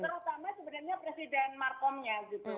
terutama sebenarnya presiden markomnya gitu